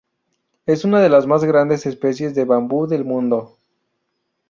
Es una de las más grandes especies de bambú del mundo.